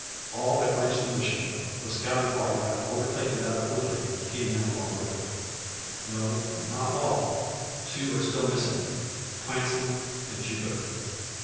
All have reached the Mission; for the scouting party having overtaken that of Woodley, came in along with it. No, not all, two are still missing Clancy and Jupiter.